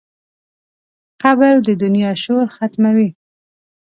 قبر د دنیا شور ختموي.